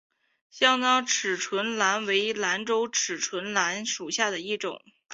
单囊齿唇兰为兰科齿唇兰属下的一个种。